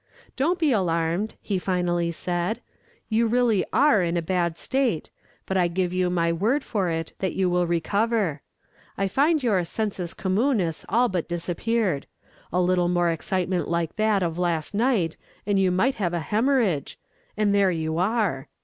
"Don't be alarmed," he finally said. "You really are in a bad state; but I give you my word for it that you will recover. I find your sensus communis all but disappeared. A little more excitement like that of last night, and you might have a hemorrhage and there you are!